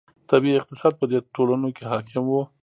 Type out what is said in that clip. طبیعي اقتصاد په دې ټولنو کې حاکم و.